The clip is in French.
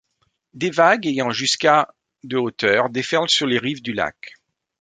Des vagues, ayant jusqu'à de hauteur, déferlèrent sur les rives du lac.